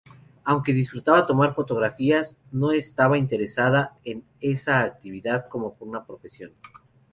Aunque disfrutaba tomar fotografías, no estaba interesada en esa actividad como una profesión.